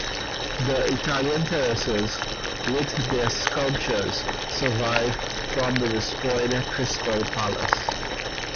The Italian Terraces with their sculptures survive from the destroyed Crystal Palace.